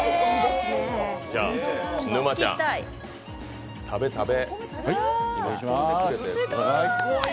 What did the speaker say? じゃあ、沼ちゃん、食べ、食べ。